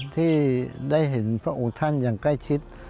ที่ได้เห็นพระองค์ท่านอย่างใกล้ชิด